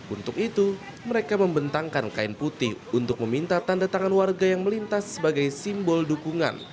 untuk itu mereka membentangkan kain putih untuk meminta tanda tangan warga yang melintas sebagai simbol dukungan